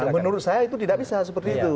menurut saya itu tidak bisa seperti itu